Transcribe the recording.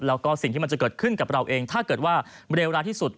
แล้วก็สิ่งที่มันจะเกิดขึ้นกับเราเองถ้าเกิดว่าเร็วร้ายที่สุด